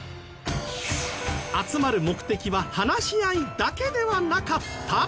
集まる目的は話し合いだけではなかった！？